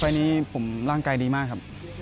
นี้ผมร่างกายดีมากครับ